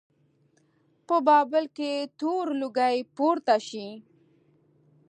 په بابل کې تور لوګی پورته شي.